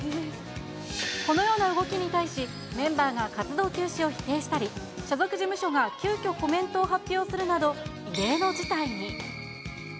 このような動きに対し、メンバーが活動休止を否定したり、所属事務所が急きょ、コメントを発表するなど、異例の事態に。